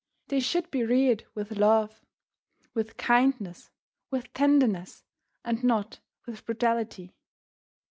They should be reared with love, with kindness, with tenderness, and not with brutality.